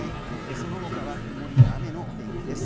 その他は曇りや雨のお天気です。